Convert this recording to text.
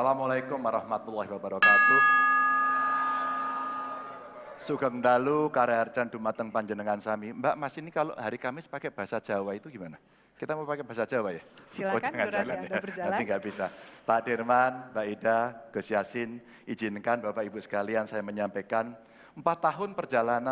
kami mohon sedian anda semua untuk berdiri menyanyikan lagu kebangsaan indonesia raya